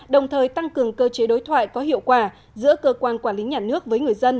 đồng thời tăng cường cơ chế đối thoại có hiệu quả giữa cơ quan quản lý nhà nước với người dân